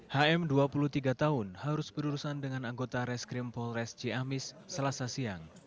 hm dua puluh tiga tahun harus berurusan dengan anggota reskrim polres ciamis selasa siang